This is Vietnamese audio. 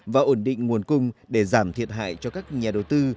và ổn định nguồn cung để giảm thiệt hại cho các nhà đầu tư